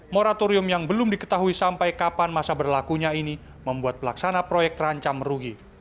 moratorium yang belum diketahui sampai kapan masa berlakunya ini membuat pelaksana proyek terancam merugi